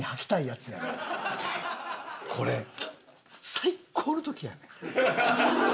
最高の時やねん。